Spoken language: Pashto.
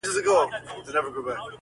اوس به دې خپل وي آینده به ستا وي!.